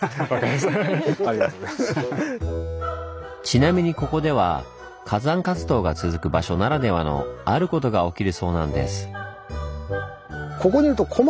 ちなみにここでは火山活動が続く場所ならではの「あること」が起きるそうなんです。